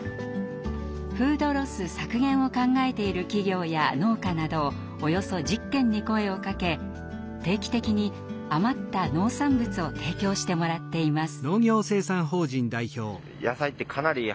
フードロス削減を考えている企業や農家などおよそ１０軒に声をかけ定期的に余った農産物を提供してもらっています。